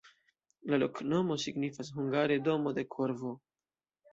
La loknomo signifas hungare: domo de korvo.